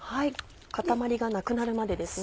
塊がなくなるまでですね。